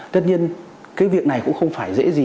tất nhiên cái việc này cũng không phải dễ gì